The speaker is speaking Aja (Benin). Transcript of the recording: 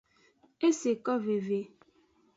Eseko veve.